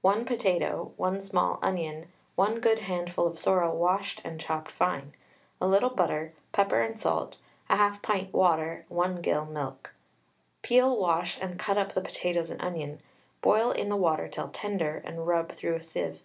1 potato, 1 small onion, 1 good handful of sorrel washed and chopped fine, a little butter, pepper and salt, 1/2 pint water, 1 gill milk. Peel, wash, and cut up the potatoes and onion, boil in the water till tender, and rub through a sieve.